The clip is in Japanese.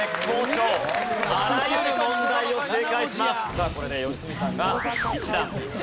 さあこれで良純さんが１段アップです。